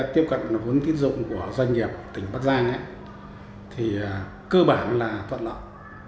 tiếp cận vốn tín dụng của doanh nghiệp tỉnh bắc giang cơ bản là toàn lọng